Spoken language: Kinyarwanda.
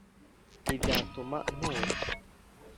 ntibyatuma ntura